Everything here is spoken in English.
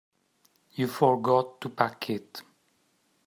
You forgot to pack it.